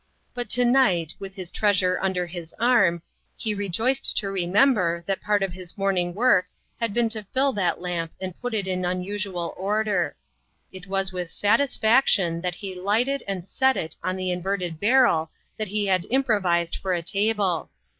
But to night, with his treasure under his arm, he rejoiced to remember that part of his morn ing work had been to fill that lamp and put it in unusual order. It was with satisfaction that he lighted and set it on the inverted barrel that he had improvised for a table.